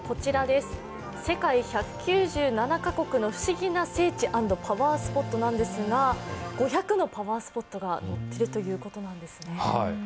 「世界１９７カ国のふしぎな聖地＆パワースポット」ですが５００のパワースポットが載っているということなんですね。